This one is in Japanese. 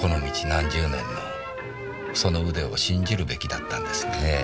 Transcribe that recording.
何十年のその腕を信じるべきだったんですねえ。